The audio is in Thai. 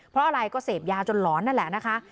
เพราะอะไรก็เสพยาจนหลอนนั่นแหละนะคะ